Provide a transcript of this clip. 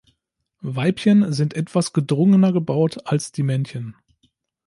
Weibchen sind etwas gedrungener gebaut, als die Männchen.